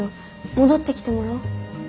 戻ってきてもらおう。